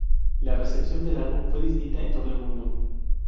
La recepción del álbum fue distinta en todo el mundo.